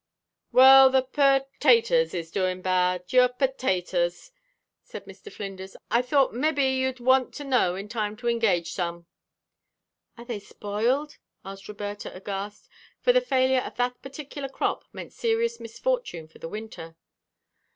"Well, the pertaters is doing bad your pertaters," said Mr. Flinders. "I thought mebbe you'd want to know in time to engage some." "Are they spoiled?" asked Roberta, aghast, for the failure of that particular crop meant serious misfortune for the winter.